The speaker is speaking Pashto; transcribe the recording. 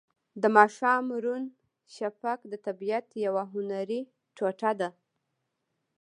د ماښام روڼ شفق د طبیعت یوه هنري ټوټه ده.